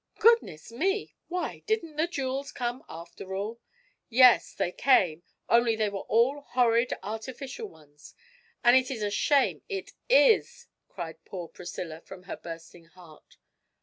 'Goodness me! Why, didn't the jewels come, after all?' 'Yes they came, only they were all horrid artificial ones and it is a shame, it is!' cried poor Priscilla from her bursting heart.